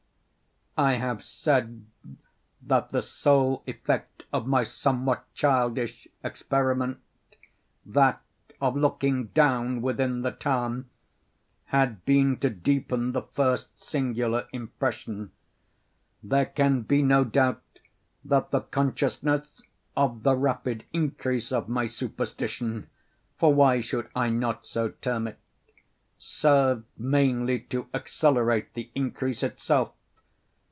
I have said that the sole effect of my somewhat childish experiment—that of looking down within the tarn—had been to deepen the first singular impression. There can be no doubt that the consciousness of the rapid increase of my superstition—for why should I not so term it?—served mainly to accelerate the increase itself.